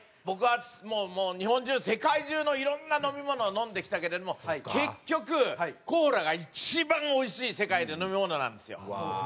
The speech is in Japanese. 僕はもう日本中世界中のいろんな飲み物を飲んできたけれども結局コーラが一番おいしい世界で飲み物なんですよ。